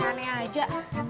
gak aneh aja